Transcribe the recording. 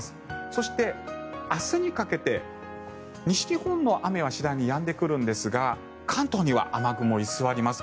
そして、明日にかけて西日本の雨は次第にやんでくるんですが関東には雨雲が居座ります。